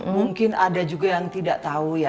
mungkin ada juga yang tidak tahu ya